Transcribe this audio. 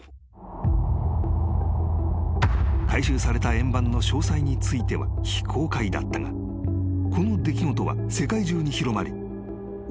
［回収された円盤の詳細については非公開だったがこの出来事は世界中に広まり大騒ぎとなった］